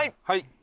はい。